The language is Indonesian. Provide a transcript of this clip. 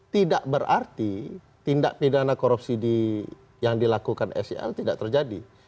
tidak berarti tindak pidana korupsi yang dilakukan sel tidak terjadi